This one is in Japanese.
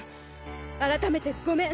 改めてごめん！